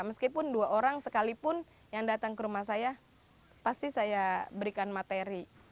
meskipun dua orang sekalipun yang datang ke rumah saya pasti saya berikan materi